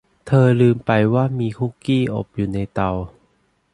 เธอลืมไปว่ามีคุกกี้อบอยู่ในเตา